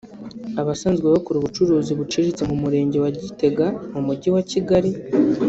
Abasanzwe bakora ubucuruzi buciriritse mu Murenge wa Gitega mu Mujyi wa Kigali